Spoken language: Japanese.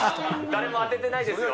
誰も当ててないですよ。